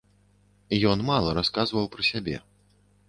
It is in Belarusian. Ён мала расказваў пра сябе.